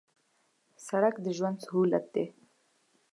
سړک د ژوند سهولت دی